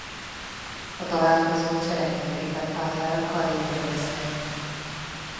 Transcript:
A találkozón csereként lépett pályára Kaio Mendes helyén.